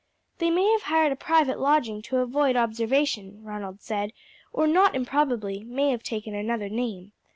"They may have hired a private lodging to avoid observation," Ronald said, "or, not improbably, may have taken another name.